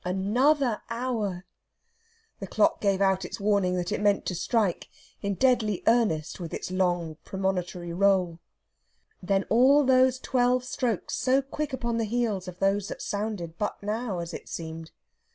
Another hour! The clock gave out its warning that it meant to strike, in deadly earnest with its long premonitory roll. Then all those twelve strokes so quick upon the heels of those that sounded but now, as it seemed.